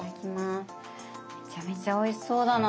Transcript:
めちゃめちゃおいしそうだな。